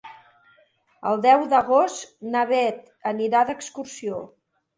El deu d'agost na Bet anirà d'excursió.